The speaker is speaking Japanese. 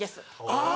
あぁ！